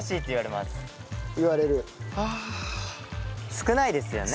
少ないですよね。